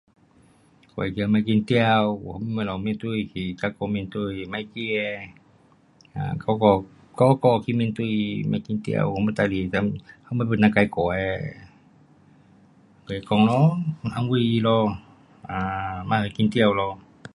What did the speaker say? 跟他讲别紧张。有什么面对是敢敢面对，别怕呃，um 敢敢，敢敢去面对，别紧张，什么事情什么东西会解决的，跟他讲咯。安慰他咯。um 别紧张咯。